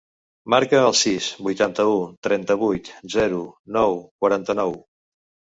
Marca el sis, vuitanta-u, trenta-vuit, zero, nou, quaranta-nou.